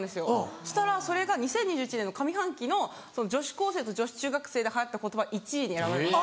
そしたらそれが２０２１年の上半期の女子高生と女子中学生で流行った言葉１位に選ばれました。